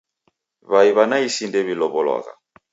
W'ai w'a naisi ndew'ilow'olwagha